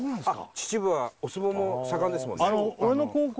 秩父はお相撲も盛んですもんね